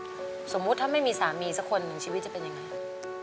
อืมค่ะสมมุติถ้าไม่มีสามีสักคนหนูชีวิตจะเป็นยังไง